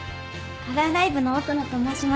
カラーライブの音野と申します。